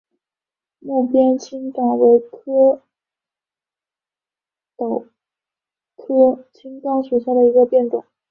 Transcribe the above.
睦边青冈为壳斗科青冈属下的一个变种。